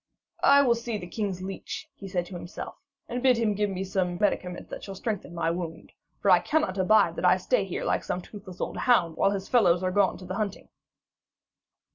'I will see the king's leech,' he said to himself, 'and bid him give me some medicament that shall strengthen my wound. For I cannot abide that I stay here like some toothless old hound, while his fellows are gone to the hunting.'